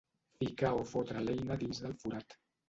Ficar o fotre l'eina dins del forat.